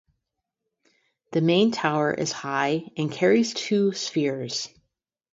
The main tower is high and carries two spheres.